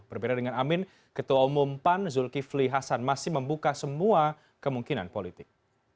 berbeda dengan amin ketua umum pan zulkifli hasan masih membuka semua kemungkinan politik